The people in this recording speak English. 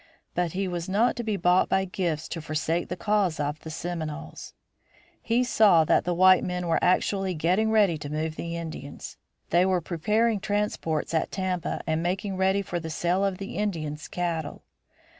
But he was not to be bought by gifts to forsake the cause of the Seminoles. He saw that the white men were actually getting ready to move the Indians; they were preparing transports at Tampa and making ready for the sale of the Indians' cattle.